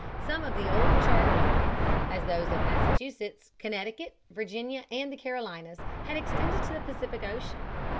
Some of the old charter lines, as those of Massachusetts, Connecticut, Virginia, and the Carolinas had extended to the Pacific Ocean.